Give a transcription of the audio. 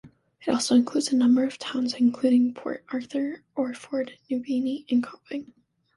It also includes a number of towns including; Port Arthur, Orford, Nubeena and Copping.